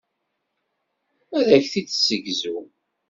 Ad ak-t-id-tessegzu.